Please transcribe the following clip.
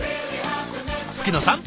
吹野さん